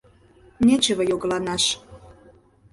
— Нечыве йогыланаш!